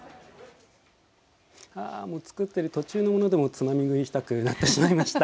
作ってる途中のものでもつまみ食いしたくなってまいりました。